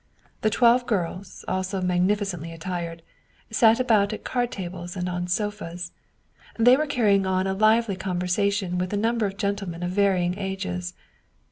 The twelve girls, also mag nificently attired, sat about at card tables and on sofas. They were carrying on a lively conversation with a num ber of gentlemen of varying ages.